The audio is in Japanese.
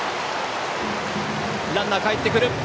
ランナー、かえってくる！